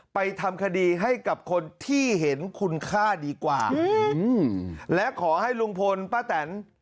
ไปทำคดีให้กับคนที่เห็นคุณค่าดีกว่าและขอให้ลุงพลป้าแตน